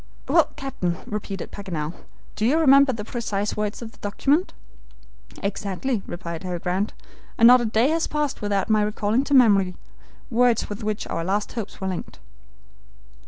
"Well, captain," repeated Paganel, "do you remember the precise words of the document?" "Exactly," replied Harry Grant; "and not a day has passed without my recalling to memory words with which our last hopes were linked."